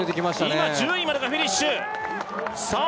今１０位までがフィニッシュさあ